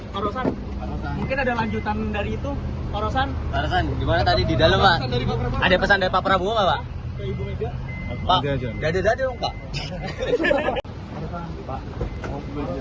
perusahaan mungkin ada lanjutan dari itu perusahaan di dalam ada pesan dari pak prabowo